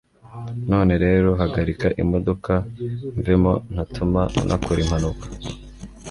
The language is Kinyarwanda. none rero hagarika imodoka mvemo ntatuma unakora impanuka